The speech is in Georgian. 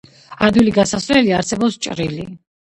ადვილი გასასვლელია, არსებობს ჭრილი.